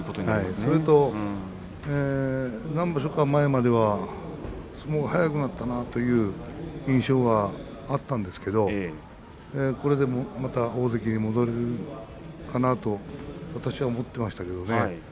それと何場所か前までは相撲が速くなったなという印象があったんですけどこれでまた大関に戻れるかなと私は思っていましたけどね。